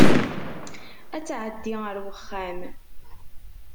Ad tɛeddi ar wexxam.